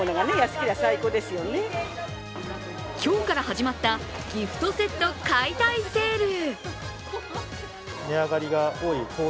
今日から始まったギフトセット解体セール。